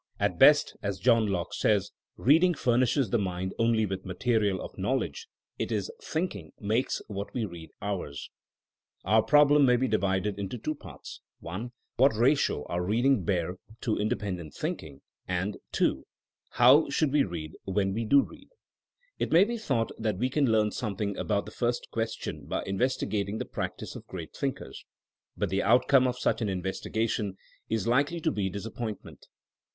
At best, as John Locke says, '' Beading furnishes the mind only with materials of knowledge, it la thinking makes what we read ours. ''^ Our problem may be divided in two parts: (1) What ratio should our reading bear to in dependent thinking, and (2) how should we read when we do read? It may be thought that we can learn some thing about the first question by investigating the practice of great thinkers. But the out come of such an investigation is likely to be disappointment.